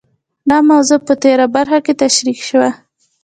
دا موضوع په تېره برخه کې تشرېح شوه.